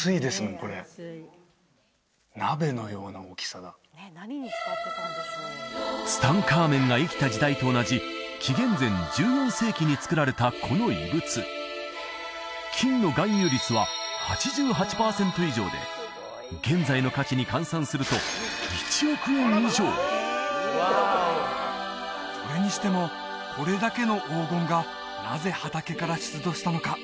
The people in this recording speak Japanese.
これ鍋のような大きさだツタンカーメンが生きた時代と同じ紀元前１４世紀に作られたこの遺物金の含有率は８８パーセント以上で現在の価値に換算すると１億円以上それにしてもこれだけの黄金がなぜ畑から出土したのか？